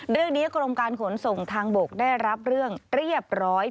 เรื่องนี้กรมการขนส่งทางบกได้รับเรื่องเรียบร้อย